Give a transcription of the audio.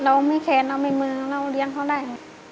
เราไม่แค้นเราไม่มือเราเลี้ยงเขาได้